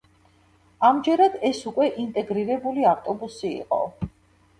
ამჯერად ეს უკვე ინტეგრირებული ავტობუსი იყო.